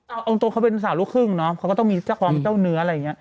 เอาเอาตัวเขาเป็นสาวลูกคลึ่งเนอะเค้าก็ต้องมีใจความเกล้าเนื้ออะไรอย่างเงี้ย